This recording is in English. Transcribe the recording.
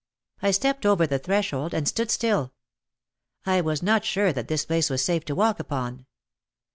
I stepped over the threshold and stood still. I was not sure that this place was safe to walk upon.